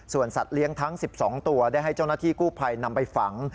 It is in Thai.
ส่วนสัตว์เลี้ยงทั้ง๑๒ตัวได้ให้เจ้าหน้าที่กู้ภัยนำไปฝัง